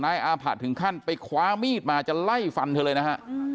อาผะถึงขั้นไปคว้ามีดมาจะไล่ฟันเธอเลยนะฮะ